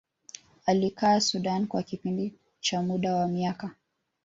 alikaa Sudan kwa kipindi cha muda wa miaka